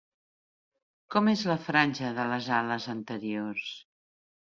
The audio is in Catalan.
Com és la franja de les ales anteriors?